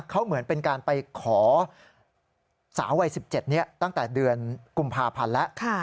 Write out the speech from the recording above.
เขาเหมือนเป็นการไปขอสาววัย๑๗นี้ตั้งแต่เดือนกุมภาพันธ์แล้ว